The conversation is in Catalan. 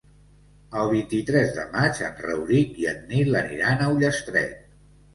El vint-i-tres de maig en Rauric i en Nil aniran a Ullastret.